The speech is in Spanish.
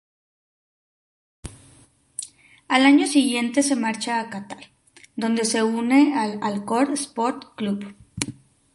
Al año siguiente se marcha a Catar, donde se une al Al-Khor Sports Club.